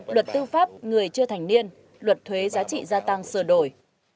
luật tư pháp người chưa thành niên luật thuế giá trị gia tăng sửa đổi